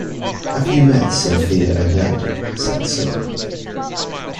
Have you met Sophia and Ed? said Sue.